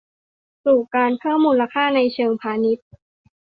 สู่การเพิ่มมูลค่าในเชิงพาณิชย์